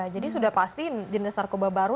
jadi sudah pasti jenis narkoba baru